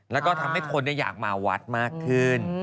แล้วก็ทำให้คนอยากมาวัดมากขึ้น